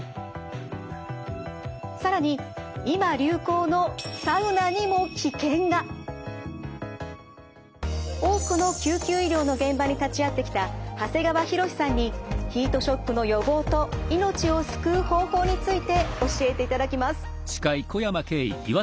更に今流行の多くの救急医療の現場に立ち会ってきた長谷川浩さんにヒートショックの予防と命を救う方法について教えていただきます。